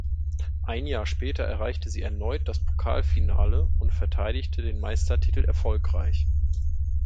Ein Jahr später erreichte sie erneut das Pokalfinale und verteidigte den Meistertitel erfolgreich.